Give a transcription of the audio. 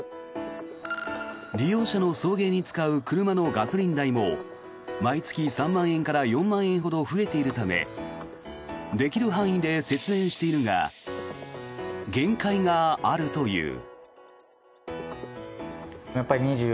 利用者の送迎に使う車のガソリン代も毎月３万円から４万円ほど増えているためできる範囲で節電しているが限界があるという。